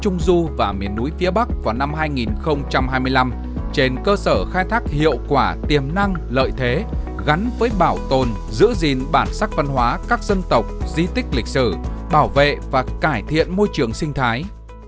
trung du và miền núi phía bắc vào năm hai nghìn hai mươi năm trên cơ sở khai thác hiệu quả tiềm năng lợi thế gắn với bảo tồn giữ gìn bản sắc văn hóa các dân tộc di tích lịch sử bảo vệ và cải thiện môi trường sinh thái